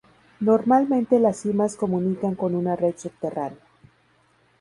Normalmente las simas comunican con una red subterránea.